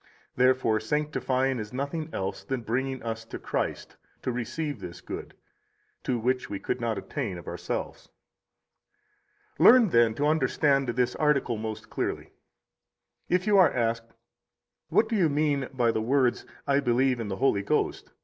39 Therefore sanctifying is nothing else than bringing us to Christ to receive this good, to which we could not attain of ourselves. 40 Learn, then, to understand this article most clearly. If you are asked: What do you mean by the words: I believe in the Holy Ghost?